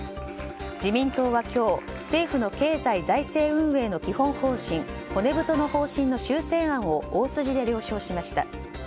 自民党は今日政府の経済財政運営の基本方針骨太の方針の修正案を大筋で了承しました。